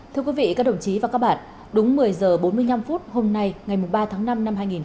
thưa quý vị các đồng chí và các bạn đúng một mươi h bốn mươi năm hôm nay ngày ba tháng năm năm hai nghìn hai mươi